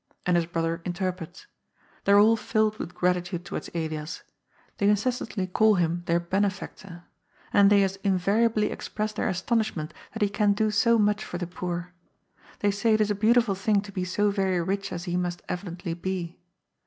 And his brother interprets. They are all filled with gratitude towards Elias. They incessantly call him their benefactor. And they as inyari ably express their astonishment that he can do so much for the poor. They say it is a beautiful thing to be so very rich as he must evidently be.